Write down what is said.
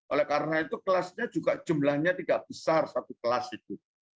oleh karena itu kelasnya juga jumlahnya tidak besar satu kelas itu